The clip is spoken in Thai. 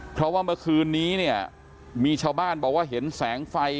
เพราะว่าเมื่อคืนนี้เนี่ยมีชาวบ้านบอกว่าเห็นแสงไฟ